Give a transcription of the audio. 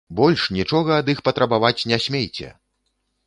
Больш нічога ад іх патрабаваць не смейце!